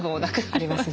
ありますね。